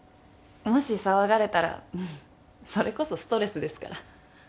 もし騒がれたらうんそれこそストレスですから。